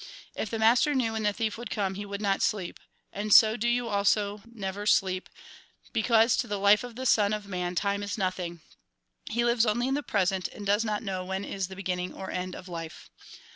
" If the master knew when the thief would come, he would not sleep ; and so do you also never THE GOSPEL IN BRIEF sleep ; because, to the life of the son of man time is nothing ; ne lives only in the present, and does not know when is the beginning or end of life.